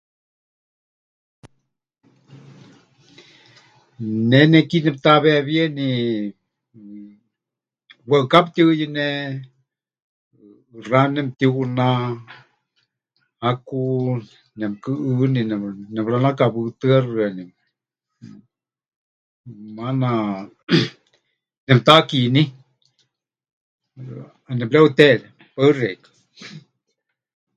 Ne neki nepɨtaweewieni, waɨká pɨtiuyɨne, ʼɨxá nemɨtihuná, haku nemɨkɨʼɨni, nemɨ... nemɨranakawɨtɨ́axɨani, maana nepɨtakiní, ʼenepɨreuteeré. Paɨ xeikɨ́a.